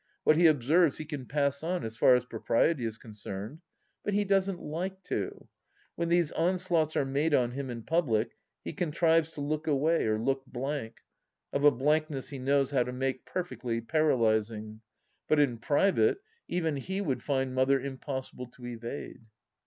What he observes he can pass on as far as propriety is concerned. But he doesn't like to. When these onslaughts are made on him in public he contrives to look away, or look blank — of a blankness he knows how to make perfectly paralysing — ^but in private even he would find Mother impossible to evade.